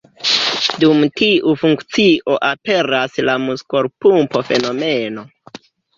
Dum tiu funkcio aperas la „muskolpumpo”-fenomeno.